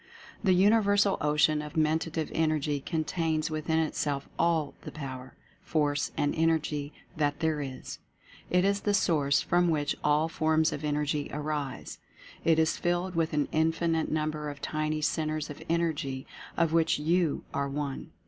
The Universal Ocean of Mentative Energy contains within itself all the Power, Force and En ergy that there is. It is the source from which all forms of Energy arise. It is filled with an infinite number of tiny Centres of Energy, of which YOU are one.